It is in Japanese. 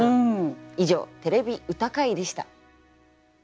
以上「てれび歌会」でした。